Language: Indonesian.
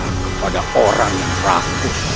kepada orang yang ragu